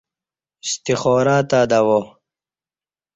استخارہ تہ دوا